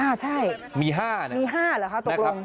อ้าวใช่มีห้านะมีห้าเหรอคะตกลง